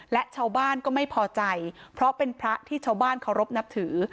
และชาวบ้านก็ไม่พอใจเพราะเป็นพระที่ชาวบ้านเคารพนับถือ